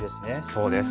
そうです。